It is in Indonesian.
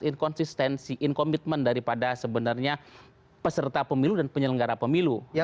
inkonsistensi inkomitmen daripada sebenarnya peserta pemilu dan penyelenggara pemilu